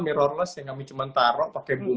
mirrorless yang kami cuma taruh pakai bumbu